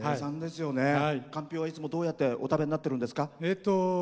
かんぴょうはいつもどうやってお食べになってるんですか？